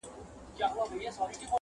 هر طبیب یې په علاج پوري حیران سو٫